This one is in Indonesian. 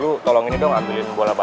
gue pengen minta tolong sama lu nih bob